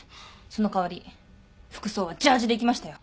その代わり服装はジャージーで行きましたよ。